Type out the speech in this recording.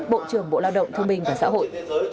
bộ trưởng bộ lao động thương minh và xã hội